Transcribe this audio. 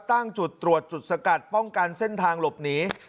ตั้งจุดตรวจจุดสกัดป้องกันเส้นทางหลบหนี